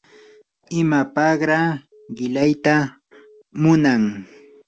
¿imapaqraa qilayta munan?